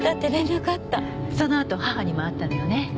そのあと母にも会ったのよね。